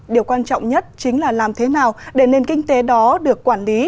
điều quan trọng nhất chính là làm thế nào để nền kinh tế đó được quản lý